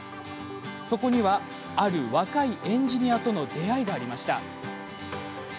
そこにはある若いエンジニアとの出会いがありました。